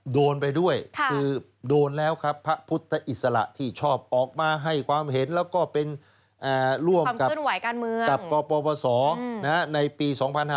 โดนไปด้วยคือโดนแล้วครับพระพุทธอิสระที่ชอบออกมาให้ความเห็นแล้วก็เป็นร่วมกับขึ้นกับกปศในปี๒๕๕๙